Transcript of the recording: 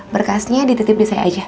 berkasnya dititip di saya aja